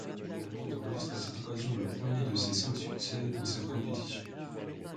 L'Allemande enregistre à cette occasion le premier de ses cinq succès dans cette compétition.